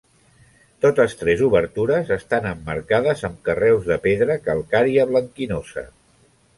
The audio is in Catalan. Totes tres obertures estan emmarcades amb carreus de pedra calcària blanquinosa.